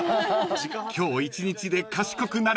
［今日一日で賢くなれそう］